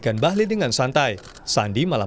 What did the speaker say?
kata teman saya dari kecil